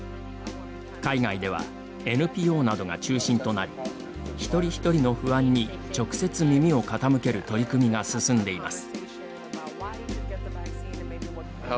海外ではＮＰＯなどが中心となり一人一人の不安に直接耳を傾ける取り組みが進んでいます。